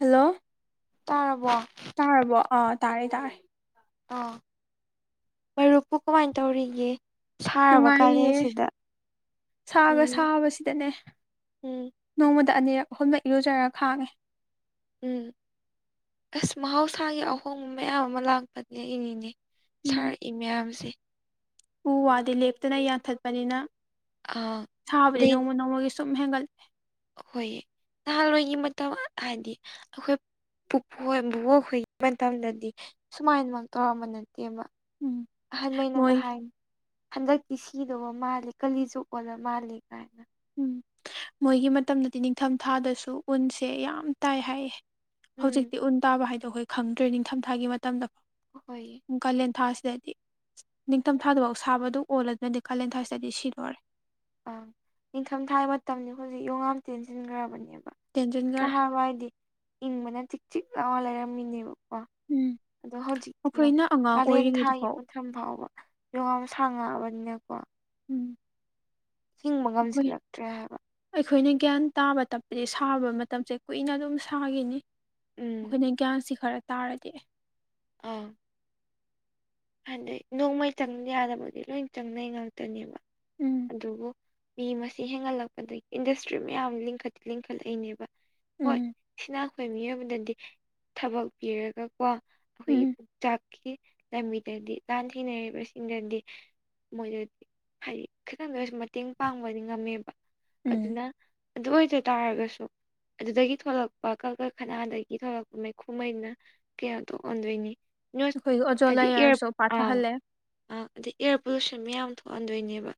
hello ꯇꯥꯔꯕꯣ ꯇꯥꯔꯕꯣ ꯑꯥ ꯇꯥꯔꯦ ꯇꯥꯔꯦ ꯑꯥ ꯃꯔꯨꯞꯄꯨ ꯀꯃꯥꯏꯟ ꯇꯧꯔꯤꯒꯦ ꯁꯥꯔꯕ ꯅꯨꯡꯉꯥꯏꯔꯤꯌꯦ ꯀꯥꯂꯦꯟꯁꯤꯗ ꯁꯥꯒ ꯎꯝ ꯁꯥꯕꯁꯤꯗꯅꯦ ꯎꯝ ꯅꯣꯡꯃꯗ ꯑꯅꯤꯔꯛ ꯑꯍꯨꯝꯂꯛ ꯏꯔꯨꯖꯔ ꯈꯥꯡꯉꯦ ꯎꯝ ꯑꯁ ꯃꯍꯧꯁꯥꯒꯤ ꯑꯍꯣꯡꯕ ꯃꯌꯥꯝ ꯑꯃ ꯂꯥꯛꯄꯅꯦ ꯏꯅꯤꯅꯦ ꯎꯝ ꯁꯥꯔꯛꯏ ꯃꯌꯥꯝꯁꯦ ꯎ ꯋꯥꯗꯤ ꯂꯦꯞꯇꯅ ꯌꯥꯟꯊꯠꯄꯅꯤꯅ ꯑꯥ ꯁꯥꯕꯗꯤ ꯅꯣꯡꯃ ꯅꯣꯡꯃꯒꯤ ꯁꯨꯝ ꯍꯦꯟꯒꯠꯂꯦ ꯍꯣꯏꯑ ꯅꯍꯥꯜꯋꯥꯏꯒꯤ ꯃꯇꯝ ꯍꯥꯏꯗꯤ ꯑꯩꯈꯣꯏ ꯄꯨꯄꯨ ꯍꯣꯏ ꯕꯨꯕꯣꯛ ꯍꯣꯏꯒꯤ ꯃꯇꯝꯗꯗꯤ ꯁꯨꯃꯥꯏꯅꯃꯛ ꯇꯧꯔꯝꯕ ꯅꯠꯇꯦꯕ ꯎꯝ ꯑꯍꯟ ꯃꯩꯅ ꯃꯣꯏ ꯑꯍꯥꯏꯟ ꯍꯟꯗꯛꯇꯤ ꯁꯤꯗꯧꯕ ꯃꯥꯜꯂꯦ ꯀꯂꯤꯖꯨꯛ ꯑꯣꯜꯂ ꯃꯥꯜꯂꯦ ꯀꯥꯏꯅ ꯎꯝ ꯃꯣꯏꯒꯤ ꯃꯇꯝꯗꯗꯤ ꯅꯤꯡꯊꯝ ꯊꯥꯗꯁꯨ ꯎꯟꯁꯦ ꯌꯥꯝ ꯇꯥꯏ ꯍꯥꯏꯌꯦ ꯎꯝ ꯍꯧꯖꯤꯛꯇꯤ ꯎꯟ ꯇꯥꯕ ꯍꯥꯏꯗꯣ ꯑꯩꯈꯣꯏ ꯈꯪꯗ꯭ꯔꯦ ꯅꯤꯡꯊꯝꯊꯥꯒꯤ ꯃꯇꯝꯗ ꯍꯣꯑꯣꯏ ꯀꯥꯂꯦꯟꯊꯥꯁꯤꯗꯗꯤ ꯅꯤꯡꯊꯝꯊꯥꯗꯐꯧ ꯁꯥꯕꯗꯨ ꯑꯣꯜꯂꯗꯨꯅꯗꯤ ꯀꯥꯂꯦꯟ ꯊꯥꯁꯤꯗꯗꯤ ꯁꯤꯗꯧꯔꯦ ꯑꯥ ꯅꯤꯡꯊꯝꯊꯥꯏ ꯃꯇꯝꯖꯤ ꯍꯧꯖꯤꯛ ꯌꯣꯡꯉꯥꯝ ꯇꯦꯟꯁꯤꯟꯒ꯭ꯔꯕꯅꯦꯕ ꯇꯦꯟꯁꯤꯟꯈꯔꯦ ꯅꯍꯥꯟꯋꯥꯏꯗꯤ ꯏꯪꯕꯅ ꯆꯤꯛ ꯆꯤꯛ ꯂꯥꯎꯔ ꯂꯩꯔꯝꯃꯤꯅꯦꯕ ꯑꯣ ꯎꯝ ꯑꯗꯣ ꯍꯧꯖꯤꯛꯇꯤ ꯌꯣꯡ ꯑꯩꯈꯣꯏꯅ ꯑꯉꯥꯡ ꯀꯥꯂꯦꯟ ꯊꯥꯒꯤ ꯑꯣꯏꯔꯤꯉꯩꯗꯐꯥꯎ ꯃꯠ ꯊꯝ ꯐꯥꯎꯕ ꯌꯣꯡ ꯌꯥꯝ ꯁꯥꯡꯉꯛꯑꯕꯅꯤꯅꯀꯣ ꯎꯝ ꯍꯤꯡꯕ ꯑꯩꯈꯣꯏ ꯉꯝꯖꯤꯜꯂꯛꯇ꯭ꯔꯦ ꯍꯥꯏꯕ ꯑꯩꯈꯣꯏꯅ ꯒ꯭ꯌꯥꯟ ꯇꯥꯕ ꯇꯞꯄꯗꯤ ꯁꯥꯕ ꯃꯇꯝꯁꯦ ꯀꯨꯏꯅ ꯑꯗꯨꯝ ꯁꯥꯒꯤꯅꯤ ꯎꯝ ꯑꯩꯈꯣꯏꯅ ꯒ꯭ꯌꯥꯟꯁꯤ ꯈꯔ ꯇꯥꯔꯗꯤ ꯑꯥ ꯍꯥꯏꯗꯤ ꯅꯣꯡꯃꯩ ꯆꯪꯗ ꯌꯥꯗꯕꯗꯤ ꯂꯣꯏ ꯆꯪꯅꯩ ꯉꯥꯛꯇꯅꯦꯕ ꯎꯝ ꯑꯗꯨꯕꯨ ꯃꯤ ꯃꯁꯤꯡ ꯍꯦꯟꯒꯠꯂꯛꯄꯗꯒꯤ ꯏꯟꯗꯁꯇ꯭ꯔꯤ ꯃꯌꯥꯝ ꯂꯤꯡꯈꯠ ꯂꯤꯡꯈꯠꯂꯛꯏꯅꯦꯕ ꯍꯣꯏ ꯎꯝ ꯁꯤꯅ ꯑꯈꯣꯏ ꯃꯤꯑꯣꯏꯕꯗꯗꯤ ꯊꯕꯛ ꯄꯤꯔꯒꯀꯣ ꯑꯩꯈꯣꯏꯒꯤ ꯎꯝ ꯄꯨꯛꯆꯥꯛꯀꯤ ꯂꯝꯕꯤꯗꯗꯤ ꯂꯥꯟ ꯊꯦꯡꯅꯔꯤꯕꯁꯤꯡꯗꯗꯤ ꯃꯣꯏꯗꯗꯤ ꯍꯥꯏꯗꯤ ꯈꯤꯇꯪꯗ ꯑꯣꯏꯁꯨ ꯃꯇꯦꯡ ꯄꯥꯡꯕꯗꯤ ꯉꯝꯃꯦꯕ ꯎꯝ ꯑꯗꯨꯅ ꯑꯗꯨ ꯑꯣꯏꯗ ꯇꯥꯔꯒꯁꯨ ꯑꯗꯨꯗꯒꯤ ꯊꯣꯛꯂꯛꯄ ꯀꯜꯀꯔꯈꯅꯥꯗꯒꯤ ꯊꯣꯛꯂꯛꯄ ꯃꯩꯈꯨꯃꯩꯅ ꯀꯤꯌꯥꯇꯣꯛ ꯑꯣꯟꯗꯣꯏꯅꯤ ꯑꯩꯈꯣꯏꯒꯤ ꯑꯣꯖꯣꯟ ꯂꯦꯌꯔꯁꯨ ꯑꯥꯎ ꯄꯥꯊꯍꯜꯂꯦ ꯑꯥ ꯑꯗꯩ ꯑꯦꯌꯥꯔ ꯄꯣꯂꯨꯁꯟ ꯃꯌꯥꯝ ꯊꯣꯛꯍꯟꯗꯣꯏꯅꯦꯕ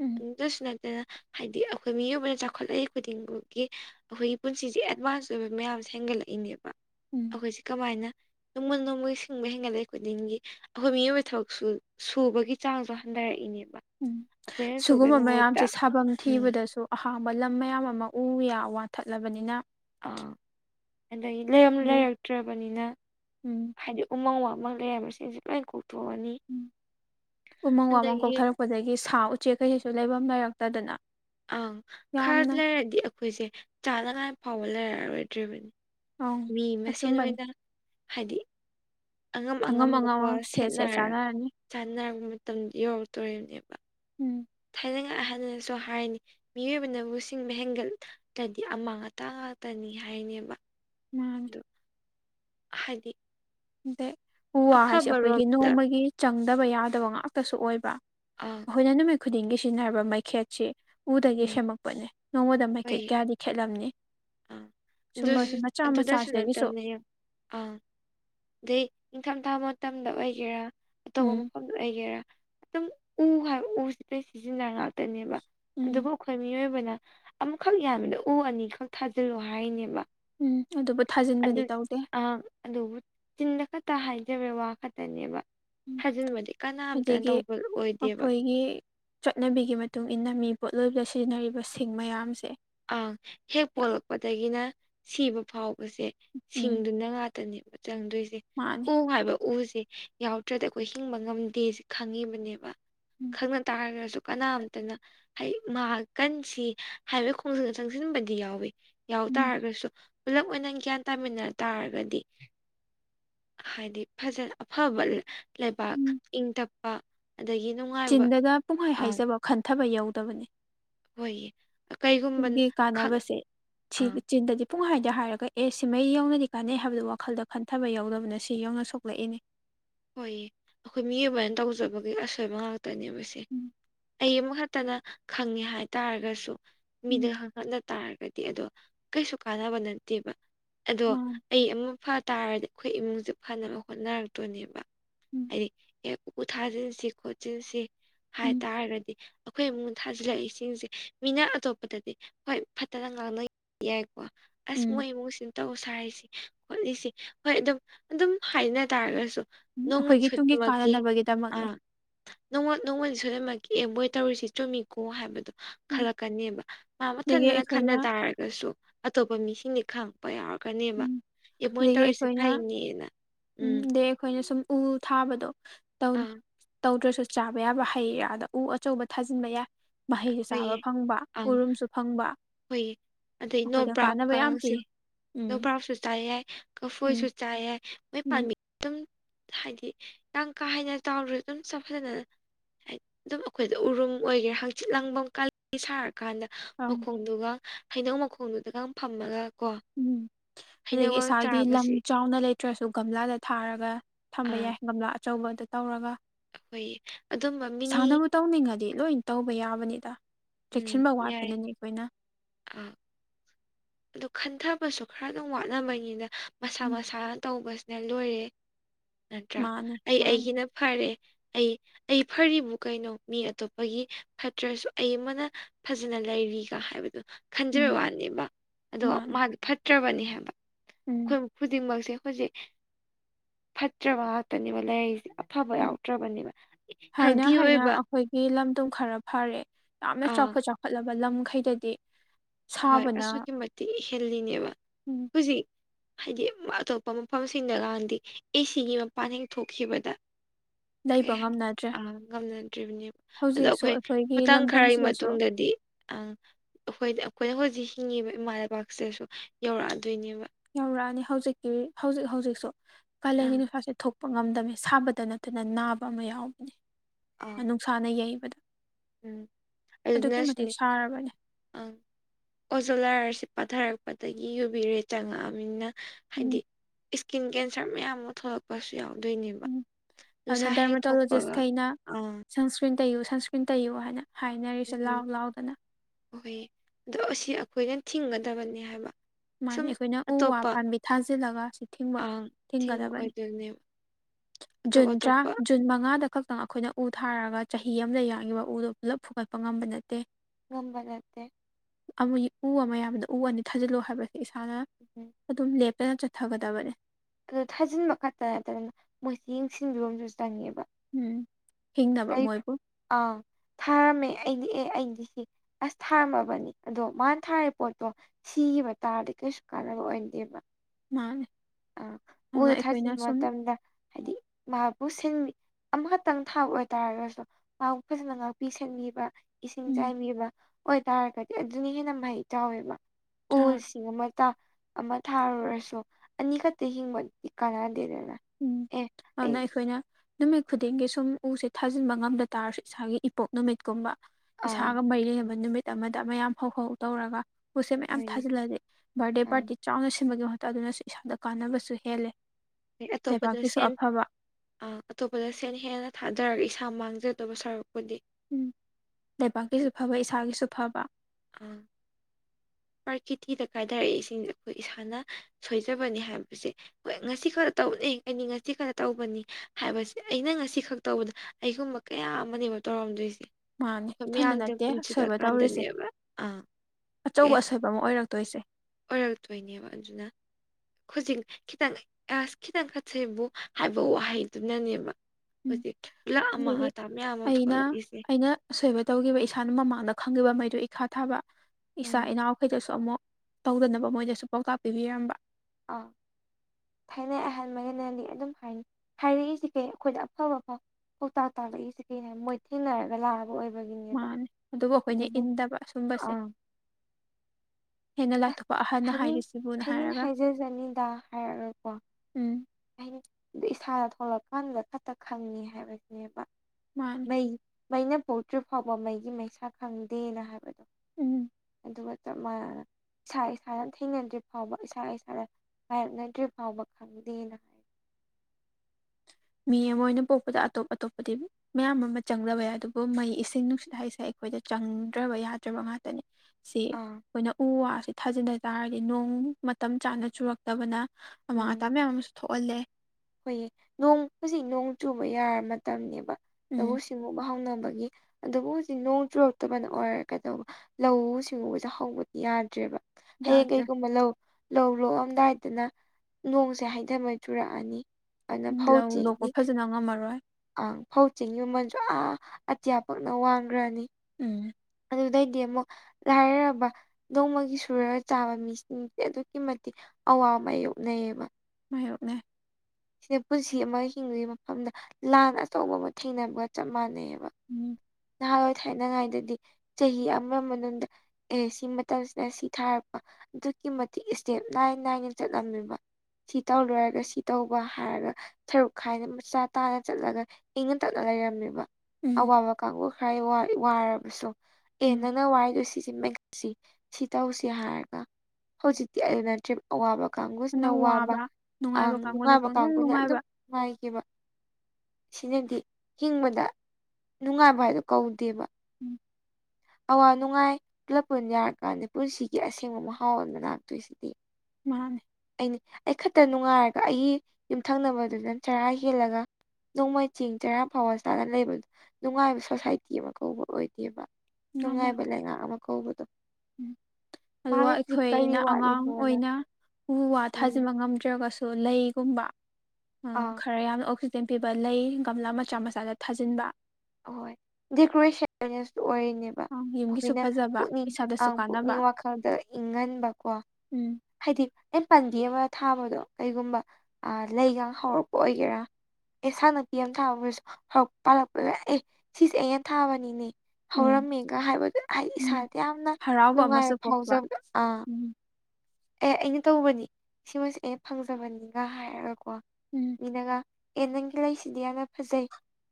ꯎꯝ ꯑꯗꯨꯁꯨ ꯅꯠꯇꯅ ꯍꯥꯏꯗꯤ ꯑꯩꯈꯣꯏ ꯃꯤꯑꯣꯏꯕꯅ ꯆꯥꯎꯈꯠꯂꯛꯏ ꯈꯨꯗꯤꯡꯃꯛꯀꯤ ꯑꯩꯈꯣꯏꯒꯤ ꯄꯨꯟꯁꯤꯁꯦ ꯑꯦꯗꯚꯥꯟꯁ ꯑꯣꯏꯕ ꯃꯌꯥꯝꯦ ꯍꯦꯟꯒꯠꯂꯛꯏꯅꯦꯕ ꯎꯝ ꯑꯩꯈꯣꯏꯁꯤ ꯀꯃꯥꯏꯅ ꯅꯣꯡꯃ ꯅꯣꯡꯃꯒꯤ ꯁꯤꯡꯕ ꯍꯦꯟꯒꯠꯂꯛꯏ ꯈꯨꯗꯤꯡꯒꯤ ꯑꯩꯈꯣꯏ ꯃꯤꯑꯣꯏꯕ ꯊꯕꯛꯁꯨ ꯁꯨꯕꯒꯤ ꯆꯥꯡꯁꯨ ꯍꯟꯊꯔꯛꯏꯅꯦꯕ ꯎꯝ ꯑꯩꯈꯣꯏꯅ ꯁꯨꯕꯩ ꯁꯨꯒꯨꯝꯕ ꯃꯍꯨꯠꯇ ꯃꯌꯥꯝꯁꯦ ꯁꯥꯐꯝ ꯎꯝ ꯊꯤꯕꯗꯁꯨ ꯑꯍꯥꯡꯕ ꯂꯝ ꯃꯌꯥꯝ ꯑꯃ ꯎ ꯌꯥ ꯋꯥꯟꯊꯠꯂꯕꯅꯤꯅ ꯑꯥ ꯑꯗꯩ ꯂꯩꯔꯝ ꯑꯗꯩ ꯂꯩꯔꯛꯇ꯭ꯔꯕꯅꯤꯅ ꯎꯝ ꯍꯥꯏꯗꯤ ꯎꯃꯪ ꯋꯥꯃꯪ ꯂꯩꯕ ꯃꯁꯤꯡꯁ ꯂꯣꯏ ꯀꯣꯛꯊꯣꯛꯑꯅꯤ ꯎꯝ ꯎꯃꯪ ꯋꯥꯃꯪ ꯑꯗꯒꯤ ꯀꯣꯛꯊꯔꯛꯄꯗꯒꯤ ꯁꯥ ꯎꯆꯦꯛꯈꯩꯁꯤꯁꯨ ꯂꯩꯐꯝ ꯂꯩꯔꯛꯇꯗꯅ ꯑꯪ ꯈꯔ ꯌꯥꯝꯅ ꯂꯩꯔꯗꯤ ꯑꯩꯈꯣꯏꯁꯦ ꯆꯥꯅꯉꯥꯏ ꯐꯥꯎꯕ ꯂꯩꯔꯛꯑꯔꯣꯏꯗ꯭ꯔꯤꯕꯅꯤ ꯑꯪ ꯃꯤ ꯃꯁꯦꯟ ꯑꯆꯨꯝꯕꯅꯤ ꯑꯣꯏꯅ ꯍꯥꯏꯗꯤ ꯑꯉꯝ ꯑꯉꯝꯕꯀꯣ ꯑꯉꯝ ꯁꯦꯠ ꯁꯦꯠꯅ ꯁꯦꯠ ꯆꯥꯅꯔꯅꯤ ꯆꯥꯟꯅꯔꯕ ꯃꯇꯝꯗ ꯌꯧꯔꯛꯇꯣꯔꯤꯕꯅꯦꯕ ꯎꯝ ꯊꯥꯏꯅꯉ ꯑꯍꯜꯅꯁꯨ ꯍꯥꯏꯅꯤ ꯃꯤꯑꯣꯏꯕꯅꯕꯨ ꯁꯤꯡꯕ ꯍꯦꯟꯒꯠꯂꯗꯤ ꯑꯃꯥꯡ ꯑꯇꯥ ꯉꯥꯛꯇꯅꯤ ꯍꯥꯏꯅꯦꯕ ꯃꯥꯅꯤ ꯑꯗꯣ ꯍꯥꯏꯗꯤ ꯑꯗꯩ ꯎ ꯋꯥ ꯍꯥꯏꯁꯦ ꯑꯩꯈꯣꯏꯒꯤ ꯑꯐꯕꯔꯣꯝꯗ ꯅꯣꯡꯃꯒꯤ ꯆꯪꯗꯕ ꯌꯥꯗꯕ ꯉꯥꯛꯇꯁꯨ ꯑꯣꯏꯕ ꯑꯝ ꯑꯩꯈꯣꯏꯅ ꯅꯨꯃꯤꯠ ꯈꯨꯗꯤꯡꯒꯤ ꯁꯤꯖꯤꯟꯅꯔꯕ ꯃꯩꯈꯦꯠꯁꯤ ꯎꯗꯒꯤ ꯎꯝ ꯁꯦꯝꯃꯛꯄꯅꯦ ꯅꯣꯡꯃꯗ ꯍꯣꯏ ꯃꯩꯈꯦꯠ ꯀꯌꯥꯗꯤ ꯈꯦꯠꯂꯝꯅꯤ ꯑꯥ ꯑꯗꯨꯁꯨ ꯁꯨꯝꯕꯁꯤ ꯃꯆꯥ ꯃꯆꯥ ꯑꯗꯨꯗꯁꯨ ꯁꯤꯗꯒꯤꯁꯨ ꯅꯠꯇꯅ ꯌꯦꯡ ꯑꯥ ꯑꯗꯩ ꯅꯤꯡꯪꯊꯝ ꯊꯥ ꯃꯇꯝꯗ ꯑꯣꯏꯒꯦꯔꯥ ꯑꯇꯣꯞꯄ ꯎꯝ ꯃꯐꯝ ꯂꯩꯒꯦꯔꯥ ꯑꯗꯨꯝ ꯎ ꯎꯁꯤ ꯂꯣꯏ ꯁꯤꯖꯤꯟꯅ ꯉꯥꯛꯇꯅꯦꯕ ꯎꯝ ꯑꯗꯨꯕꯨ ꯑꯩꯈꯣꯏ ꯃꯤꯑꯣꯏꯕꯅ ꯑꯃꯈꯛ ꯌꯥꯝꯕꯗ ꯎ ꯑꯅꯤꯈꯛ ꯊꯥꯖꯤꯜꯂꯣ ꯍꯥꯏꯔꯤꯅꯦꯕ ꯎꯝ ꯑꯗꯨꯕꯨ ꯊꯥꯖꯤꯟꯕꯗꯤ ꯑꯗꯨ ꯇꯧꯗꯦ ꯑ ꯑꯗ ꯆꯤꯟꯗ ꯈꯛꯇ ꯍꯥꯏꯖꯕꯦ ꯋꯥ ꯈꯛꯇꯅꯦꯕ ꯎꯝ ꯊꯥꯖꯤꯟꯕꯗꯤ ꯀꯅꯥꯝꯇꯅ ꯇꯧꯕ ꯑꯣꯏꯗꯦꯕ ꯏꯅꯦ ꯆꯠꯅꯕꯤꯒꯤ ꯃꯇꯨꯡ ꯏꯟꯅ ꯃꯤ ꯄꯣꯠꯂꯣꯏꯕꯗ ꯁꯤꯖꯤꯟꯅꯔꯤꯕ ꯁꯤꯡ ꯃꯌꯥꯝꯁꯦ ꯑꯪ ꯍꯦꯛ ꯄꯣꯂꯛꯄꯗꯒꯤꯅ ꯁꯤꯕ ꯐꯥꯎꯕꯁꯦ ꯁꯤꯡꯗꯨꯅ ꯉꯥꯛꯇꯅꯦꯕ ꯆꯪꯗꯣꯏꯁꯦ ꯃꯥꯥꯟꯅꯤ ꯎꯣꯡ ꯍꯥꯏꯕ ꯎꯁꯦ ꯌꯥꯎꯗ꯭ꯔꯗꯤ ꯑꯩꯈꯣꯏ ꯍꯤꯡꯕ ꯉꯝꯗꯦꯁꯤ ꯈꯪꯉꯤꯕꯅꯦꯕ ꯎꯝ ꯈꯪꯅ ꯇꯥꯔꯒꯁꯨ ꯀꯅꯥꯝꯇꯅ ꯃꯥ ꯀꯟꯁꯤ ꯍꯥꯏꯕꯩ ꯑꯗꯨꯗ ꯆꯪꯁꯤꯟꯕꯗꯤ ꯌꯥꯎꯋꯤ ꯌꯥꯎ ꯎꯝ ꯇꯥꯔꯒꯁꯨ ꯄꯨꯂꯞ ꯑꯣꯏꯅ ꯒ꯭ꯌꯥꯟ ꯇꯥꯃꯤꯟꯅ ꯇꯥꯔꯒꯗꯤ ꯍꯥꯏꯗꯤ ꯐꯖ ꯑꯐꯕ ꯂꯩꯕꯥꯛ ꯏꯪ ꯇꯞꯄ ꯑꯗꯒꯤ ꯅꯨꯡꯉꯥꯏ ꯆꯤꯟꯗꯅ ꯄꯨꯡꯍꯥꯏ ꯍꯥꯏꯖꯕ ꯈꯟꯊꯕ ꯌꯧꯗꯕꯅꯤ ꯍꯣꯏꯌꯦ ꯒꯤ ꯀꯥꯟꯅꯕꯁꯦ ꯁꯤ ꯑꯥ ꯆꯤꯟꯗꯗꯤ ꯄꯨꯡ ꯍꯥꯏꯗ ꯍꯥꯏꯔꯒ ꯑꯦ ꯁꯤ ꯃꯩ ꯌꯧꯅꯗꯤ ꯀꯥꯟꯅꯩ ꯍꯥꯏꯕꯗꯨ ꯋꯥꯈꯜꯗ ꯈꯟꯊꯕ ꯌꯥꯎꯗꯕꯅ ꯁꯤ ꯌꯧꯅ ꯁꯣꯛꯂꯛꯏꯅꯦ ꯍꯣꯏꯌꯦ ꯑꯩꯈꯣꯏ ꯃꯤ ꯑꯃꯕ ꯍꯥꯏꯅ ꯇꯧꯖꯕꯒꯤ ꯑꯁꯣꯏꯕ ꯉꯥꯛꯇꯅꯦꯕꯁꯦ ꯎꯝ ꯑꯩ ꯑꯃ ꯈꯛꯇꯅ ꯈꯪꯉꯦ ꯍꯥꯏꯇꯥꯔꯒꯁꯨ ꯃꯤꯗ ꯎꯝ ꯈꯍꯠꯅ ꯇꯥꯔꯒꯗꯤ ꯑꯗꯣ ꯀꯩꯁꯨ ꯀꯥꯟꯅꯕ ꯅꯠꯇꯦꯕ ꯑꯗꯣ ꯃꯥꯅꯤ ꯑꯩ ꯑꯃ ꯐ ꯇꯥꯔꯗꯤ ꯑꯩꯈꯣꯏ ꯏꯃꯨꯡꯁꯦ ꯐꯅꯕ ꯍꯣꯠꯅꯔꯛꯇꯣꯏꯅꯦꯕ ꯎꯝ ꯍꯥꯏꯗꯤ ꯑꯦ ꯎꯄꯨ ꯊꯥꯖꯤꯟꯁꯤ ꯈꯣꯠꯆꯤꯟꯁꯤ ꯎꯝ ꯍꯥꯏꯇꯥꯔꯒꯗꯤ ꯑꯩꯈꯣꯏ ꯑꯃꯨꯛ ꯊꯥꯖꯤꯜꯂꯛꯏ ꯏꯁꯤꯡꯁꯦ ꯃꯤꯅ ꯑꯇꯣꯞꯄꯗꯗꯤ ꯍꯣꯏ ꯐꯠꯇꯅ ꯉꯥꯡꯅ ꯌꯥꯏꯀꯣ ꯑꯁ ꯎꯝ ꯃꯣꯏ ꯏꯃꯨꯡꯁꯤ ꯇꯧ ꯁꯥꯔꯤꯁꯤ ꯈꯣꯠꯂꯤꯁꯤ ꯍꯣꯏ ꯑꯗꯨꯝ ꯑꯗꯨꯝ ꯍꯥꯏꯅ ꯇꯥꯔꯒꯁꯨ ꯎꯝ ꯅꯣꯡꯃꯟ ꯑꯩꯈꯣꯏꯒꯤ ꯇꯨꯡꯒꯤ ꯁꯨꯠꯄꯃꯛꯀꯤ ꯀꯥꯟꯅꯅꯕꯒꯤꯗꯃꯛꯅꯦ ꯑꯥ ꯅꯣꯡ ꯅꯣꯡꯃꯣꯟꯗꯤ ꯁꯣꯏꯗꯅꯃꯛꯀꯤ ꯑꯦ ꯃꯣꯏ ꯇꯧꯔꯤꯁꯤ ꯆꯨꯝꯃꯤꯀꯣ ꯍꯥꯏꯕꯗꯣ ꯈꯜꯂꯛꯀꯅꯦꯕ ꯃꯥ ꯑꯗꯒꯤ ꯃꯊꯟꯗꯅ ꯑꯩꯈꯣꯏꯅ ꯈꯟꯅ ꯇꯥꯔꯒꯁꯨ ꯑꯇꯣꯞꯄ ꯃꯤꯁꯤꯡꯗꯤ ꯈꯪ ꯄ ꯌꯥꯎꯔꯛꯀꯅꯦꯕ ꯑꯦ ꯃꯣꯏꯅ ꯑꯗꯒꯤ ꯇꯧꯔꯤꯁꯦ ꯑꯩꯈꯣꯏꯅ ꯐꯩꯅꯦꯅ ꯎꯝ ꯗꯩ ꯑꯩꯈꯣꯏꯅ ꯁꯨꯝ ꯎ ꯊꯥꯕꯗꯣ ꯇꯧꯅꯤ ꯑꯥ ꯇꯧꯗ꯭ꯔꯁꯨ ꯆꯥꯕ ꯌꯥꯕ ꯍꯩꯔ ꯑꯗ ꯎ ꯑꯆꯧꯕ ꯊꯥꯖꯤꯟꯕ ꯌꯥꯏ ꯃꯍꯩꯁꯨ ꯆꯥꯕ ꯐꯩꯌꯦ ꯐꯪꯕ ꯑꯪ ꯎꯔꯨꯝꯁꯨ ꯐꯪꯕ ꯍꯣꯏꯌꯦ ꯑꯩꯈꯣꯏꯗ ꯀꯥꯟꯅꯕ ꯌꯥꯝ ꯄꯤ ꯎꯝ ꯅꯣꯕꯥꯕꯁꯨ ꯆꯥ ꯌꯥꯏ ꯀꯐꯣꯏꯁꯨ ꯎꯝ ꯆꯥ ꯌꯥꯏ ꯃꯣꯏ ꯎꯝ ꯄꯥꯝꯕꯤ ꯑꯗꯨꯝ ꯍꯥꯏꯗꯤ ꯌꯥꯝ ꯀꯥ ꯍꯦꯟꯅ ꯆꯥꯎꯗꯔꯁꯨ ꯑꯗꯨꯝ ꯆꯞꯐꯅꯅ ꯍꯥꯏꯗꯤ ꯑꯗꯨꯝ ꯑꯩꯈꯣꯏꯗ ꯎꯔꯨꯝ ꯑꯣꯏꯒꯦꯔꯥ ꯍꯪ ꯁꯤꯠ ꯂꯪꯕ ꯀ ꯁꯥꯔꯀꯥꯟꯗ ꯑꯪ ꯃꯈꯣꯡꯗꯨꯒ ꯍꯩꯅꯧ ꯃꯈꯣꯡꯗꯨꯗꯒ ꯐꯝꯃꯒ ꯀꯣ ꯎꯝ ꯑꯗꯒꯤ ꯍꯩꯅꯧꯒ ꯏꯁꯥꯒꯤ ꯂꯝ ꯆꯥꯕꯁꯤ ꯆꯥꯎꯅ ꯂꯩ ꯅꯠꯇ꯭ꯔꯁꯨ ꯒꯝꯂꯥꯗ ꯊꯥꯔꯒ ꯊꯝꯕ ꯑꯥ ꯌꯥꯏ ꯒꯝꯂꯥ ꯑꯆꯧꯕꯗ ꯇꯧꯔꯒ ꯑꯩꯈꯣꯏ ꯑꯗꯨꯝꯕ ꯃꯤꯅꯤ ꯏꯁꯥꯅꯕꯨ ꯇꯧꯅꯤꯡꯉꯗꯤ ꯂꯣꯏ ꯇꯧꯕ ꯌꯥꯕꯅꯤꯗ ꯆꯦꯛꯁꯤꯟꯕ ꯋꯥꯠꯄꯅꯅꯤ ꯑꯩꯈꯣꯏꯅ ꯑꯝ ꯑꯗꯨ ꯈꯟꯊꯕꯁꯨ ꯈꯔ ꯑꯗꯨꯝ ꯋꯥꯠꯅꯕꯅꯤꯅ ꯃꯁꯥ ꯎꯝ ꯃꯁꯥꯅ ꯇꯧꯕꯁꯤꯅ ꯂꯣꯏꯔꯦ ꯅꯠꯇ꯭ꯔꯥ ꯃꯥꯅꯦ ꯑꯩ ꯃꯥꯅꯦ ꯑꯩꯒꯤꯅ ꯐꯔꯦ ꯑꯩ ꯑꯩ ꯐꯔꯤꯕ ꯀꯩꯅꯣ ꯃꯤ ꯑꯇꯣꯞꯄꯒꯤ ꯐꯠꯇ꯭ꯔꯁꯨ ꯑꯩ ꯑꯃꯅ ꯐꯖꯅ ꯂꯩꯔꯤꯒ ꯍꯥꯏꯕꯗꯣ ꯎꯝ ꯈꯟꯖꯕꯩ ꯋꯥꯅꯦꯕ ꯑꯗꯣ ꯃꯥꯅꯦ ꯃꯥꯗꯤ ꯐꯠꯇ꯭ꯔꯕꯅꯦ ꯍꯥꯏꯕ ꯎꯝ ꯑꯩꯈꯣꯏ ꯈꯨꯗꯤꯡꯃꯛꯁꯦ ꯑꯩꯈꯣꯏꯖꯤꯛ ꯐꯠꯇ꯭ꯔꯕ ꯉꯥꯛꯇꯅꯦꯕ ꯂꯥꯏꯔꯤꯛꯁ ꯐꯕ ꯃꯥꯅꯦ ꯌꯥꯎꯗ꯭ꯔꯕꯅꯦꯕ ꯍꯥꯏꯅ ꯍꯦꯜꯗꯤ ꯍꯥꯏꯅ ꯑꯣꯏꯕ ꯑꯩꯈꯣꯏꯒꯤ ꯂꯝꯗ ꯈꯔ ꯐꯔꯦ ꯌꯥꯝꯅ ꯑꯥ ꯆꯥꯎꯈꯠ ꯆꯥꯎꯈꯠꯂꯕ ꯂꯝꯈꯩꯗꯗꯤ ꯍꯣꯏ ꯁꯥꯕꯅ ꯑꯁꯨꯛꯀꯤ ꯃꯇꯤꯛ ꯍꯦꯜꯂꯤꯅꯦꯕ ꯎꯝ [unintelligible] ꯍꯥꯏꯗꯤ ꯑꯇꯣꯞꯄ ꯃꯐꯝꯁꯤꯡꯗꯀꯥꯟꯗꯤ ꯑꯦꯁꯤꯒꯤ ꯃꯄꯥꯟ ꯍꯦꯟ ꯊꯣꯛꯈꯤꯕꯗ ꯀꯩ ꯂꯩꯕ ꯍꯥꯏ ꯉꯝꯅꯗ꯭ꯔꯦ ꯑ ꯉꯝꯅꯗ꯭ꯔꯤꯕꯅꯦꯕ ꯑꯗꯣ ꯍꯧꯖꯤꯛꯁꯨ ꯑꯩꯈꯣꯏ ꯑꯩꯈꯣꯏꯒꯤ ꯃꯇꯝ ꯈꯔꯒꯤ ꯂꯝꯗꯝꯁꯤꯗꯁꯨ ꯃꯇꯨꯡꯗꯗꯤ ꯑꯪ ꯑꯩꯈꯣꯏ ꯑꯩꯈꯣꯏꯅ ꯍꯧꯖꯤꯛ ꯍꯤꯡꯉꯤꯕ ꯏꯃꯥ ꯂꯩꯕꯥꯛꯁꯤꯁꯨ ꯌꯧꯔꯛꯑꯗꯣꯏꯅꯦꯕ ꯌꯧꯔꯛꯑꯅꯤ ꯍꯧꯖꯤꯛꯀꯤ ꯍꯧꯖꯤꯛ ꯍꯧꯖꯤꯛꯁꯨ ꯀꯥꯂꯦꯟꯒꯤ ꯑꯪ ꯅꯨꯡꯁꯥꯁꯦ ꯊꯣꯛ ꯀꯄ ꯉꯝꯗꯕꯃꯦ ꯁꯥꯕꯗ ꯅꯠꯇꯅ ꯅꯥꯕ ꯑꯃ ꯌꯥꯎꯕꯅꯦ ꯑꯥ ꯅꯨꯡꯁꯥꯅ ꯌꯩꯕꯗ ꯎꯝ ꯑꯗꯨꯛꯀꯤ ꯃꯇꯤꯛ ꯑꯗꯨꯅꯁꯨꯅꯦ ꯁꯥꯔꯕꯅꯦ ꯑꯪ ꯑꯣꯖꯣ ꯂꯥꯔꯁꯦ ꯄꯥꯊꯔꯛꯄꯗꯒꯤ ꯌꯨꯕꯤꯔꯦ ꯆꯪꯉꯛꯑꯃꯤꯅ ꯍꯥꯏꯗꯤ ꯎꯝ ꯏꯁꯀꯤꯟ ꯀꯦꯟꯁꯔ ꯃꯌꯥꯝ ꯑꯃ ꯊꯣꯛꯂꯛꯄ ꯊꯣꯛꯄꯁꯨ ꯌꯥꯎꯗꯣꯏꯅꯦꯕ ꯎꯝ ꯑꯗꯨ ꯑꯗꯨꯅ ꯁꯥ ꯍꯦꯛ ꯊꯣꯛꯄꯒ ꯑꯥ ꯁ꯭ꯀ꯭ꯔꯤꯟ ꯇꯩꯌꯨ ꯁꯟꯁꯀ꯭ꯔꯤꯟ ꯇꯩꯌꯨ ꯍꯥꯏꯅ ꯍꯥꯏꯅꯔꯤꯁꯦ ꯂꯥꯎ ꯂꯥꯎꯗꯅ ꯑꯍꯣꯏ ꯑꯗꯣ ꯑꯁꯤ ꯑꯩꯈꯣꯏꯅ ꯊꯤꯡꯒꯗꯕꯅꯤ ꯍꯥꯏꯕ ꯁꯨꯃꯥꯏꯅ ꯁꯨꯝ ꯑꯩꯈꯣꯏꯅ ꯎ ꯋꯥ ꯑꯇꯣꯞꯄ ꯄꯥꯝꯕꯤ ꯊꯥꯖꯤꯜꯂꯒ ꯁꯤ ꯊꯤꯡꯕ ꯑꯪ ꯊꯤꯡꯕ ꯊꯤꯡꯒꯗꯕꯅꯤ ꯑꯣꯏꯗꯣꯏꯅꯦꯕ ꯑꯇꯣꯞ ꯖꯨꯟꯗ꯭ꯔꯥ ꯑꯇꯣꯞꯄ ꯖꯨꯟ ꯃꯉꯥꯗ ꯈꯛꯇꯪ ꯑꯩꯈꯣꯏꯅ ꯎ ꯊꯥꯔꯒ ꯆꯍꯤ ꯑꯃꯗ ꯌꯥꯡꯕ ꯎꯗꯣ ꯄꯨꯂꯞ ꯐꯨꯒꯠꯄ ꯉꯝꯕ ꯅꯠꯇꯦ [unintelligible] ꯑꯃꯒꯤ ꯎ ꯃꯌꯥꯝꯗ ꯎ ꯑꯅꯤ ꯊꯥꯖꯤꯜꯂꯣ ꯍꯥꯏꯕꯁꯦ ꯏꯁꯥꯅ ꯎꯝ ꯑꯗꯨꯝ ꯂꯦꯞꯇꯅ ꯆꯠꯊꯒꯗꯕꯅꯦ ꯑꯗꯨ ꯊꯥꯖꯤꯟꯕ ꯈꯛꯇ ꯍꯥꯏꯠꯇꯗꯅ ꯃꯣꯏꯁꯤ ꯌꯦꯡꯁꯤꯟꯕꯤꯕ ꯑꯃꯁꯁꯨ ꯆꯪꯉꯦꯕ ꯎꯝ ꯍꯤꯡꯅꯕ ꯀꯩ ꯃꯣꯏꯕꯨ ꯑꯥ ꯊꯥꯔꯝꯃꯦ ꯑꯩꯗꯤ ꯑꯦ ꯑꯩꯗꯤ ꯁꯤ ꯑꯁ ꯊꯥꯔꯝꯃꯕꯅꯤ ꯑꯗꯣ ꯃꯥꯅ ꯊꯥꯔꯤꯕ ꯄꯣꯠꯇꯣ ꯁꯤꯈꯤꯕ ꯇꯥꯔꯗꯤ ꯀꯩꯁꯨ ꯀꯥꯟꯅꯕ ꯑꯣꯏꯟꯗꯦꯕ ꯃꯥꯅꯦ ꯑ ꯑꯗꯨꯅ ꯎꯗꯨ ꯑꯩꯈꯣꯏꯅ ꯊꯥꯖꯤꯟꯕ ꯁꯨꯝ ꯃꯇꯝꯗ ꯍꯥꯏꯗꯤ ꯃꯍꯥꯛꯄꯨ ꯁꯤꯟ ꯑꯃꯈꯛꯇꯪ ꯊꯥꯕ ꯑꯣꯏꯇꯥꯔꯒꯁꯨ ꯃꯥꯕꯨ ꯐꯖꯅ ꯉꯥꯛꯄꯤ ꯁꯦꯟꯕꯤꯕ ꯏꯁꯤꯡ ꯎꯝ ꯆꯥꯏꯕꯤꯕ ꯑꯣꯏꯇꯥꯔꯒꯗꯤ ꯑꯗꯨꯅ ꯍꯦꯟꯅ ꯃꯍꯩ ꯆꯥꯎꯋꯦꯕ ꯆꯥ ꯎꯜꯁꯤꯡ ꯑꯃ ꯑꯃ ꯊꯥꯔꯨꯔꯁꯨ ꯑꯅꯤꯈꯛꯇ ꯍꯤꯡꯕꯗꯤ ꯀꯥꯟꯅꯗꯦꯗꯅ ꯎꯝ ꯑꯦ ꯑꯩ ꯑꯗꯨꯅ ꯑꯩꯈꯣꯏꯅ ꯅꯨꯃꯤꯠ ꯈꯨꯗꯤꯡꯒꯤ ꯁꯨꯝ ꯎꯁꯦ ꯊꯥꯖꯤꯟꯕ ꯉꯝꯗ ꯇꯥꯔꯁꯨ ꯏꯁꯥꯒꯤ ꯏꯄꯣꯛ ꯅꯨꯃꯤꯠꯀꯨꯝꯕ ꯑꯥ ꯏꯁꯥꯒ ꯃꯔꯤ ꯂꯩꯅꯕ ꯅꯨꯃꯤꯠ ꯑꯃꯗ ꯃꯌꯥꯝ ꯍꯧ ꯍꯧ ꯇꯧꯔꯒ ꯎꯁꯦ ꯃꯌꯥꯝ ꯍꯣꯏꯅꯦ ꯊꯥꯖꯤꯜꯂꯗꯤ ꯕꯥꯔꯗꯦ ꯑꯥ ꯄꯥꯔꯇꯤ ꯆꯥꯎꯅ ꯁꯤꯟꯕꯒꯤ ꯃꯍꯨꯠꯇ ꯑꯗꯨꯅꯁꯨ ꯏꯁꯥꯗ ꯀꯥꯟꯅꯕꯁꯨ ꯍꯦꯜꯂꯦ ꯂꯩꯕꯥꯛꯀꯤꯁꯨ ꯑꯇꯣꯞꯄꯥꯗꯁꯦꯟ ꯑꯐꯕ ꯑꯇꯣꯞꯄꯗ ꯁꯦꯟ ꯍꯦꯟꯅ ꯊꯥꯗꯔꯒ ꯏꯁꯥ ꯃꯥꯡꯖꯗꯧꯕ ꯁꯔꯨꯛꯄꯨꯗꯤ ꯎꯝ ꯂꯩꯕꯥꯛꯀꯤꯁꯨ ꯐꯕ ꯏꯁꯥꯒꯤꯁꯨ ꯐꯕ ꯑꯥ ꯄ꯭ꯔꯀꯤꯇꯤꯗ ꯀꯥꯏꯗꯔꯛꯏꯁꯤꯡꯁꯦ ꯑꯩꯈꯣꯏ ꯏꯁꯥꯅ ꯁꯣꯏꯖꯕꯅꯤ ꯍꯥꯏꯕꯁꯦ ꯍꯣꯏ ꯉꯁꯤ ꯈꯔ ꯇꯧꯕꯅꯦ ꯑꯩꯅꯤ ꯉꯁꯤ ꯈꯔ ꯇꯧꯕꯅꯤ ꯍꯥꯏꯕꯁꯦ ꯑꯩꯅ ꯉꯁꯤ ꯈꯛ ꯇꯧꯕꯗ ꯑꯩꯒꯨꯝꯕ ꯀꯌꯥ ꯑꯃꯅꯦꯕ ꯇꯧꯔꯝꯗꯣꯏꯁꯦ ꯃꯥꯅꯦ ꯑꯩꯈꯣꯏ ꯏꯊꯟꯇ ꯃꯌꯥꯝꯁꯦ ꯅꯠꯇꯦ ꯑꯁꯣꯏꯕ ꯇꯧꯔꯤꯁꯦ ꯄꯨꯟꯁꯤꯜꯂꯀꯥꯟꯗꯅꯦꯕ ꯑꯥ ꯑꯆꯧꯕ ꯑꯦ ꯑꯁꯣꯏꯕ ꯑꯃ ꯑꯣꯏꯔꯛꯇꯣꯏꯁꯦ ꯑꯣꯏꯔꯛꯇꯣꯏꯅꯦꯕ ꯑꯗꯨꯅ ꯈꯨꯖꯤꯛ ꯈꯤꯇꯪ ꯑꯁ ꯈꯤꯇꯪ ꯈꯛꯆꯤꯕꯨ ꯍꯥꯏꯕ ꯋꯥꯍꯩꯗꯨꯅꯥꯅꯦꯕ ꯎꯝ ꯍꯧꯖꯤꯛ ꯄꯨꯂꯥꯛ ꯑꯃꯥꯡ ꯑꯗꯒꯤ ꯑꯇꯥ ꯃꯌꯥꯝ ꯑꯃ ꯑꯩꯅ ꯊꯣꯛꯍꯂꯛꯏꯁꯦ ꯑꯩꯅ ꯑꯁꯣꯏꯕ ꯇꯧꯈꯤꯕ ꯏꯁꯥꯅ ꯃꯃꯥꯡꯗ ꯈꯪꯕ ꯃꯩꯗꯣ ꯏꯈꯥ ꯊꯥꯕ ꯏꯆꯥ ꯎꯝ ꯏꯅꯥꯎ ꯑꯩꯈꯣꯏꯗꯁꯨ ꯑꯃꯨꯛ ꯇꯧꯗꯅꯕ ꯃꯣꯏꯗꯁꯨ ꯄꯥꯎꯇꯥꯛ ꯄꯤꯕꯤꯔꯝꯕ ꯑꯥ ꯊꯥꯏꯅꯩ ꯑꯍꯜꯃꯅꯦꯗꯤ ꯑꯗꯨꯝ ꯍꯥꯏꯅ ꯍꯥꯏꯔꯛꯏꯁꯤ ꯀꯩ ꯑꯩꯈꯣꯏꯗ ꯑꯐꯕ ꯐꯥꯎ ꯄꯥꯎꯇꯥꯛ ꯇꯥꯛꯔꯛꯏꯁꯤ ꯀꯅꯦ ꯃꯣꯏ ꯊꯦꯡꯅꯔꯒ ꯂꯥꯛꯑꯒ ꯑꯣꯏꯕꯒꯤꯅꯦꯕ ꯃꯥꯅꯤ ꯑꯩꯈꯣꯏꯅ ꯑꯗꯨꯕꯨ ꯏꯟꯗꯕ ꯁꯨꯝꯕꯁꯦ ꯑꯥ ꯍꯦꯟꯅ ꯑꯁ ꯂꯥꯏꯊꯣꯛꯄ ꯑꯍꯟꯅ ꯍꯥꯏꯅꯤꯡ ꯍꯥꯏꯔꯤꯁꯤꯕꯨꯅ ꯍꯥꯏꯅꯤꯡ ꯍꯥꯏꯔꯒ ꯍꯥꯏꯖꯖꯅꯤꯗ ꯎꯝ ꯍꯥꯏꯗꯤ ꯏꯁꯥꯗ ꯊꯣꯛꯂꯛꯀꯥꯟꯗ ꯐꯠꯇ ꯈꯪꯉꯦ ꯍꯥꯏꯕꯁꯤꯅꯦꯕ ꯃꯥꯟꯅꯤ ꯃꯩ ꯃꯩꯅ ꯄꯣꯛꯇ꯭ꯔꯤ ꯐꯥꯎꯕ ꯃꯩꯒꯤ ꯃꯩꯁꯥ ꯈꯪꯗꯦꯅ ꯍꯥꯏꯕꯗꯣ ꯎꯝ ꯑꯗꯨꯒ ꯆꯞ ꯃꯥꯟꯅꯅ ꯏꯁꯥ ꯏꯁꯥꯅ ꯊꯦꯡꯅꯗ꯭ꯔꯤ ꯐꯥꯎꯕ ꯏꯁꯥ ꯏꯁꯥꯗ ꯃꯥꯥꯏꯌꯣꯛꯅꯗ꯭ꯔꯤ ꯐꯥꯎꯕ ꯈꯪꯗꯦꯅ ꯍꯥꯏ ꯃꯤ ꯑꯃ ꯑꯣꯏꯅ ꯄꯣꯛꯄꯗ ꯑꯇꯣꯞ ꯑꯇꯣꯞꯄꯗꯤ ꯃꯌꯥꯝ ꯑꯃ ꯆꯪꯗꯕꯒꯨꯝ ꯃꯩ ꯏꯁꯤꯡ ꯅꯨꯡꯁꯤꯠ ꯍꯥꯏꯁꯦ ꯑꯩꯈꯣꯏꯗ ꯆꯪꯗ꯭ꯔꯕ ꯌꯥꯗ꯭ꯔꯕ ꯉꯥꯛꯇꯅꯤ ꯁꯤ ꯑꯥ ꯑꯩꯈꯣꯏꯅ ꯎ ꯋꯥꯁꯤ ꯊꯥꯖꯤꯟꯗꯇꯥꯥꯔꯗꯤ ꯅꯣꯡ ꯃꯇꯝ ꯆꯥꯅ ꯆꯨꯔꯛꯇꯕꯅ ꯑꯃꯥꯡ ꯑꯇꯥ ꯃꯌꯥꯝ ꯑꯃꯁꯨ ꯊꯣꯛꯍꯜꯂꯦ ꯑꯩꯈꯣꯏꯌꯦ ꯅꯣꯡ ꯍꯧꯖꯤꯛ ꯅꯣꯡ ꯆꯨꯕ ꯌꯥꯔ ꯃꯇꯝꯅꯦꯕ ꯎꯝ ꯁꯤꯃꯣꯛꯕ ꯍꯧꯥꯎꯅꯕꯒꯤ ꯑꯗꯨꯕꯨ ꯍꯧꯖꯤꯛ ꯅꯣꯡ ꯆꯨꯔꯛꯇꯕꯅ ꯑꯣꯏꯔꯦ ꯀꯩꯗꯧꯕ ꯂꯧꯎ ꯁꯤꯡꯎꯕꯁꯦ ꯍꯧꯕꯗꯤ ꯌꯥꯗ꯭ꯔꯦꯕ ꯍꯌꯦꯡ ꯌꯥꯗ꯭ꯔꯦ ꯀꯩꯒꯨꯝꯕ ꯂꯧ ꯂꯧ ꯂꯣꯛꯑꯝꯗꯥꯏꯗꯅ ꯅꯣꯡꯁꯦ ꯍꯥꯏꯩꯊꯃꯩ ꯆꯨꯔꯛꯑꯅꯤ ꯑꯗꯨꯅ ꯐꯧ ꯂꯧ ꯂꯣꯛꯄ ꯆꯦꯡꯅꯤ ꯐꯖꯅ ꯉꯝꯃꯔꯣꯏ ꯑꯪ ꯐꯧ ꯆꯤꯡ ꯃꯃꯜꯁꯨ ꯑꯥ ꯑꯇꯤꯌꯥ ꯄꯛꯅ ꯋꯥꯡꯈ꯭ꯔꯅꯤ ꯎꯝ ꯑꯗꯨꯗꯩꯗꯤ ꯑꯃꯨꯛ ꯂꯥꯏꯔꯔꯕ ꯅꯣꯡꯃꯒꯤ ꯁꯨꯔꯒ ꯆꯥꯕ ꯃꯤꯁꯤꯡꯁꯦ ꯑꯗꯨꯛꯀꯤ ꯃꯇꯤꯛ ꯑꯋꯥꯕ ꯃꯥꯏꯌꯣꯛꯅꯩꯌꯦꯕ ꯃꯥꯌꯣꯛꯅꯩ ꯁꯤꯅꯦ ꯄꯨꯟꯁꯤ ꯑꯃ ꯍꯤꯡꯂꯤꯉꯩ ꯃꯐꯝꯗ ꯂꯥꯟ ꯑꯆꯧꯕ ꯑꯃ ꯊꯦꯡꯅꯕꯒ ꯆꯞ ꯃꯥꯟꯅꯩꯌꯦꯕ ꯎꯝ ꯅꯍꯥꯟꯋꯥꯢ ꯊꯥꯏꯅꯉꯩꯗꯗꯤ ꯆꯍꯤ ꯑꯃ ꯃꯅꯨꯡꯗ ꯑꯦ ꯁꯤ ꯃꯇꯝꯁꯤꯅ ꯁꯤ ꯊꯥꯔꯛꯄ ꯑꯗꯨꯛꯀꯤ ꯃꯇꯤꯛ ꯏꯁꯇꯦꯞ ꯅꯥꯏꯅ ꯅꯥꯏꯅ ꯆꯠꯂꯝꯃꯤꯕ ꯁꯤ ꯇꯧ ꯂꯣꯏꯔꯒ ꯁꯤ ꯇꯧꯕ ꯍꯥꯏꯔꯒ ꯁꯔꯨꯛ ꯈꯥꯏꯅ ꯃꯆꯥ ꯇꯥꯅ ꯆꯠꯂꯒ ꯏꯪꯅ ꯇꯞꯅ ꯂꯩꯔꯝꯃꯦꯕ ꯎꯝ ꯑꯋꯥꯕ ꯀꯥꯡꯕꯨ ꯈꯔ ꯋꯥꯔꯕꯁꯨ ꯑꯦ ꯎꯝ ꯅꯪꯅ ꯋꯥꯏꯗꯣꯏ ꯁꯤꯁꯦ ꯁꯤ ꯁꯤ ꯇꯧꯁꯤ ꯍꯥꯏꯔꯒ ꯍꯧꯖꯤꯛꯇꯤ ꯑꯗꯨ ꯅꯇ꯭ꯔꯦ ꯑꯋꯥꯕ ꯀꯥꯡꯕꯨꯁꯤꯅ ꯅꯪ ꯋꯥꯕ ꯀꯥꯡꯕꯨꯅ ꯅꯨꯡꯉꯥꯏꯕ ꯄꯪꯅꯨꯡ ꯀꯥꯡꯕꯨꯅ ꯑꯗꯨꯝ ꯅꯨꯡꯉꯥꯏꯕ ꯈꯥꯢꯈꯤꯕ ꯑꯁꯤꯅꯗꯤ ꯍꯤꯡꯕꯗ ꯅꯨꯡꯉꯥꯏꯕ ꯍꯥꯏꯗꯣ ꯀꯧꯗꯦꯕ ꯎꯝ ꯑꯋꯥ ꯅꯨꯡꯉꯥꯏ ꯄꯨꯂꯞꯄ ꯑꯣꯏꯅ ꯌꯥꯔꯀꯥꯟꯗ ꯄꯨꯟꯁꯤꯒꯤ ꯑꯁꯦꯡꯕ ꯃꯍꯥꯎ ꯑꯃ ꯂꯥꯛꯇꯣꯏꯁꯤꯗꯤ ꯃꯥꯅꯦ ꯑꯩꯅꯦ ꯑꯩ ꯈꯛꯇ ꯅꯨꯡꯉꯥꯏꯔꯒ ꯑꯩꯒꯤ ꯌꯨꯝꯊꯪꯅꯕꯗꯨꯅ ꯆꯔꯥ ꯍꯦꯜꯂꯒ ꯅꯣꯡꯃꯩ ꯆꯤꯡ ꯆꯔꯥ ꯐꯥꯎꯕ ꯆꯤꯗꯏ ꯂꯩꯕꯗꯨ ꯅꯨꯡꯉꯥꯏꯕ ꯁꯣꯁꯥꯏꯇꯤ ꯑꯃ ꯀꯧꯕ ꯑꯣꯏꯗꯦꯕ ꯉꯝꯃꯣꯏ ꯅꯨꯡꯉꯥꯏꯕ ꯂꯩꯉꯥꯛ ꯑꯃ ꯀꯧꯕꯗꯣ ꯎꯝ ꯑꯗꯨꯒ ꯃꯥꯒꯤꯁꯤ ꯀꯔꯤ ꯑꯩꯈꯣꯏꯅ ꯑꯉꯥꯡ ꯋꯥꯠꯂꯤꯅꯣꯅ ꯑꯣꯏꯅ ꯎ ꯋꯥ ꯎꯝ ꯊꯥꯖꯤꯟꯕ ꯉꯝꯗ꯭ꯔꯒꯁꯨ ꯂꯩ ꯀꯨꯝꯕ ꯑꯥ ꯈꯔ ꯌꯥꯝꯅ ꯑꯣꯛꯁꯤꯖꯦꯟ ꯄꯤꯕ ꯂꯩ ꯒꯝꯂꯥ ꯃꯆꯥ ꯃꯆꯥꯗ ꯊꯥꯖꯤꯟꯕ ꯑꯍꯣꯏ ꯗꯦꯀꯣꯔꯦꯁꯟ ꯑꯣꯢꯅꯁꯨ ꯑꯣꯏꯔꯅꯦꯕ ꯌꯨꯝꯒꯤꯁꯨ ꯑꯩꯈꯣꯏꯅ ꯐꯖꯕ ꯄꯨꯛꯅꯤꯡ ꯏꯁꯥꯗꯁꯨ ꯑꯥ ꯀꯥꯟꯅꯕ ꯄꯨꯛꯅꯤꯡ ꯋꯥꯈꯜꯗ ꯏꯪꯍꯟꯕꯀꯣ ꯎꯝ ꯍꯥꯏꯗꯤ ꯑꯩꯅ ꯄꯥꯟꯕꯤ ꯑꯃ ꯊꯥꯕꯗꯣ ꯀꯩꯒꯨꯝꯕ ꯂꯩꯒ ꯍꯧꯔꯛꯄ ꯑꯣꯏꯒꯦꯔꯥ ꯑꯦ ꯁꯟꯅꯄꯤ ꯑꯃ ꯊꯥꯕꯁꯨ ꯍꯧꯛ ꯄꯥꯜꯂꯛꯄꯗ ꯑꯦ ꯁꯤꯁꯦ ꯑꯩꯅꯦ ꯊꯥꯕꯅꯤꯅꯦ ꯎꯝ ꯍꯧꯔꯝꯃꯦꯒ ꯍꯥꯏꯕꯗꯣ ꯍꯥꯏꯗꯤ ꯎꯝ ꯏꯁꯥꯗ ꯌꯥꯝꯅ ꯍꯔꯥꯎꯕ ꯅꯨꯡꯉꯥꯏꯕ ꯑꯃꯁꯨ ꯄꯣꯛꯄ ꯐꯥꯎꯖꯕ ꯑꯥ ꯎꯝ ꯑꯦ ꯑꯩꯅ ꯇꯧꯕꯅꯤ ꯁꯤꯃꯁꯦ ꯑꯩꯅ ꯐꯪꯖꯕꯅꯤꯒ ꯍꯥꯏꯔꯒꯀꯣ ꯎꯝ ꯃꯤꯅꯒꯥ ꯑꯦ ꯅꯪꯒꯤ ꯂꯩꯁꯤꯗꯤ ꯌꯥꯝꯅ ꯐꯖꯩ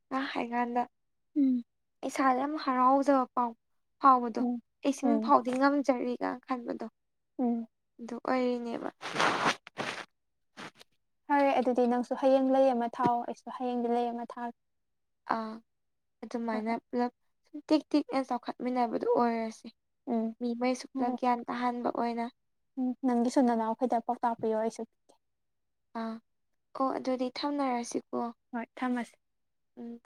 ꯉꯥ ꯍꯥꯏꯀꯥꯟꯗ ꯎꯝ ꯏꯁꯥꯗ ꯌꯥꯝ ꯍꯔꯥꯎꯖꯕ ꯄꯥꯎ ꯐꯥꯎꯕꯗꯣ ꯎꯝ ꯑꯩ ꯁꯨꯝ ꯎꯝ ꯐꯥꯎꯗꯤ ꯉꯝꯖꯔꯤꯒ ꯈꯟꯕꯗꯣ ꯎꯝ ꯑꯗꯨ ꯑꯣꯏꯔꯤꯅꯦꯕ ꯐꯔꯦ ꯑꯗꯨꯗꯤ ꯅꯪꯁꯨ ꯍꯌꯦꯡ ꯂꯩꯌꯦ ꯑꯃ ꯊꯥꯎꯑꯣ ꯑꯩꯁꯨ ꯍꯌꯦꯡꯗꯤ ꯂꯩ ꯑꯃ ꯊꯥꯒꯦ ꯍꯣꯏ ꯑꯗꯨꯃꯥꯏꯅ ꯍꯣꯏ ꯄꯨꯂꯞ ꯁꯨꯝ ꯇꯤꯛ ꯇꯤꯛꯅ ꯆꯥꯎꯈꯠꯃꯤꯟꯅꯕꯗꯨ ꯑꯣꯏꯔꯁꯦ ꯎꯝ ꯃꯤꯃꯩꯁꯨ ꯄꯨꯂꯞ ꯍꯣꯏ ꯒ꯭ꯌꯥꯟ ꯇꯥꯍꯟꯥꯕ ꯑꯣꯏꯅ ꯎꯝ ꯅꯪꯒꯤꯁꯨ ꯅꯅꯥꯎꯈꯩꯗ ꯄꯥꯎꯇꯥꯛꯄꯤꯌꯣ ꯑꯩꯁꯨ ꯑꯥ ꯑꯣ ꯑꯗꯨꯗꯤ ꯊꯝꯅꯔꯁꯤꯀꯣ ꯍꯣꯏ ꯊꯝꯃꯁꯤ ꯎꯝ